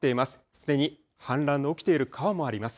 すでに氾濫が起きている川もあります。